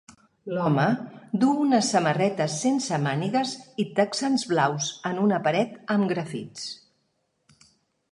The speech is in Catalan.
L'home duu una samarreta sense mànigues i texans blaus en una paret amb grafits.